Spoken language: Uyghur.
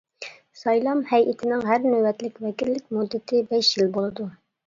سايلام ھەيئىتىنىڭ ھەر نۆۋەتلىك ۋەكىللىك مۇددىتى بەش يىل بولىدۇ.